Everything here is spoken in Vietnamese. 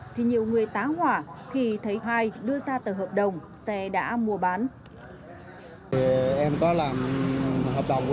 thì nhiều người tá hỏa khi thấy hai đưa ra tờ hợp đồng xe đã mua bán